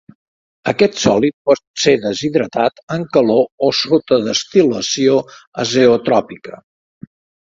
Aquest sòlid pot ser deshidratat amb calor o sota destil·lació azeotròpica.